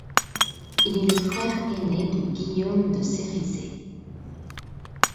Il est le frère aîné de Guillaume de Cerisay.